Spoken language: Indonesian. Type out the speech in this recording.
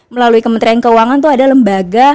melalui kementerian keuangan itu ada lembaga